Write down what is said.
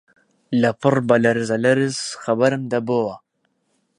لەپڕ بە لەرزە لەرز خەبەرم دەبۆوە